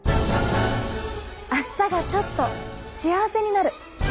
明日がちょっと幸せになる！